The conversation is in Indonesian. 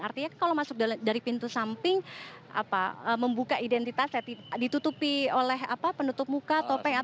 artinya kalau masuk dari pintu samping apa membuka identitasnya ditutupi oleh apa penutup muka topeng atau